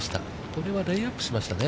これはレイアップしましたね。